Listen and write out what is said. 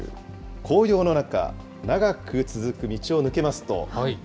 紅葉の中、長く続く道を抜けますと。